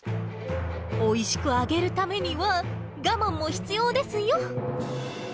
おいしく揚げるためには、我慢も必要ですよ。